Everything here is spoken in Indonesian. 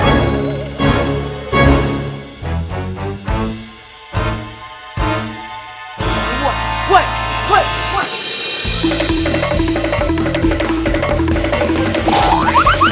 tidak tahu kan